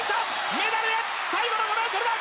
メダルへ、最後の５ｍだ。